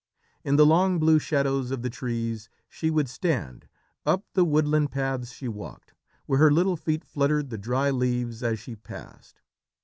In the long blue shadows of the trees she would stand up the woodland paths she walked, where her little feet fluttered the dry leaves as she passed.